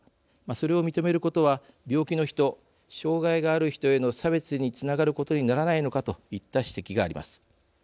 それを認めることは、病気の人障害がある人への差別につながることにならないのかといった指摘があります。